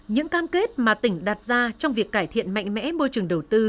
những cam kết mà tỉnh đặt ra trong việc cải thiện mạnh mẽ môi trường đầu tư